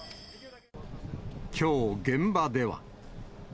きょう現場では。